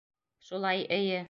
Шулай, эйе.